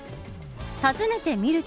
訪ねてみると。